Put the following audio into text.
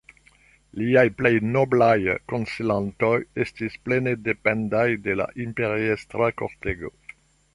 Liaj plej noblaj konsilantoj estis plene dependaj de la imperiestra kortego.